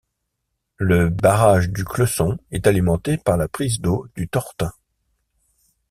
Le barrage du Cleuson est alimenté par la prise d'eau du Tortin.